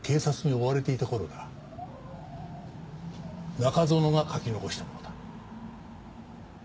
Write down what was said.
中園が書き残したものだ。